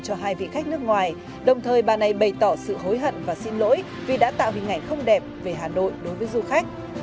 cho hai vị khách nước ngoài đồng thời bà này bày tỏ sự hối hận và xin lỗi vì đã tạo hình ảnh không đẹp về hà nội đối với du khách